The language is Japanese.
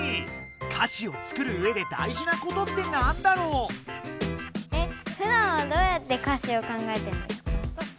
歌詞を作るうえで大事なことってなんだろう？ふだんはどうやって歌詞を考えてるんですか？